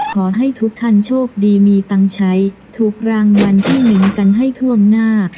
ขอให้ทุกท่านโชคดีมีตังค์ใช้ถูกรางวัลที่๑กันให้ท่วมหน้า